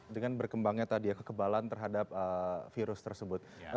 dengan berkembangnya tadi ya kekebalan terhadap virus tersebut